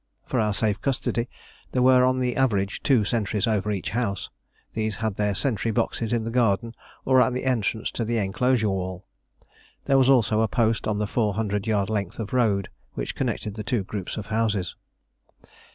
For our safe custody there were on the average two sentries over each house; these had their sentry boxes in the garden or at the entrance to the enclosure wall. There was also a post on the four hundred yard length of road which connected the two groups of houses.